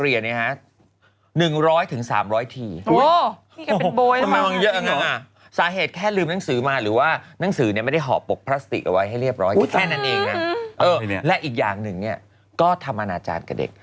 เรียบร้อยถึง๓๐๐ทีสาเหตุแค่ลืมหนังสือมาหรือว่าหนังสือไม่ได้เหาะปกพลาสติกเอาไว้ให้เรียบร้อยแค่นั้นเองและอีกอย่างหนึ่งก็ทำอนาจารย์กับเด็ก